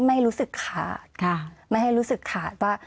ไม่รู้สึกขาดไม่ให้รู้สึกขาดว่า